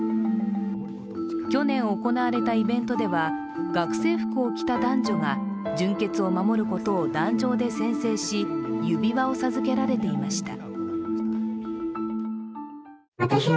去年行われたイベントでは、学生服を着た男女が純潔を守ることを壇上で宣誓し、指輪を授けられていました。